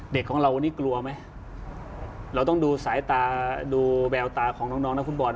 เด็กของเราวันนี้กลัวไหมเราต้องดูสายตาดูแววตาของน้องน้องนักฟุตบอล